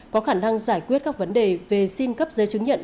có khả năng giải quyết các vấn đề về xin cấp giấy chứng nhận